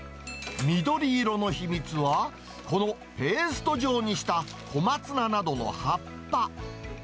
緑色の秘密は、このペースト状にした、小松菜などの葉っぱ。